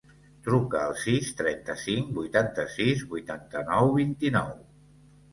Truca al sis, trenta-cinc, vuitanta-sis, vuitanta-nou, vint-i-nou.